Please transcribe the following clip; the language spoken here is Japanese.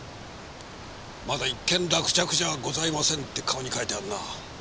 「まだ一件落着じゃございません」って顔に書いてあるな。